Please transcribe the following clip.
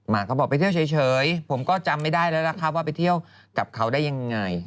เขาบอกไปเที่ยวเฉยผมก็จำไม่ได้แล้วนะครับว่าไปเที่ยวกับเขาได้ยังไง